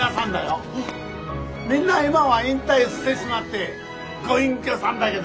みんな今は引退してしまってご隠居さんだげど。